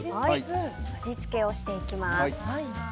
味付けをしていきます。